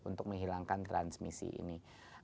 untuk menghilangkan transmisi ini